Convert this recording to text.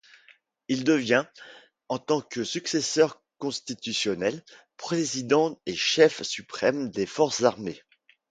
Il devient, en tant que successeur constitutionnel, président et chef suprême des forces armées.